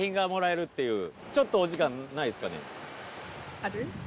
ある？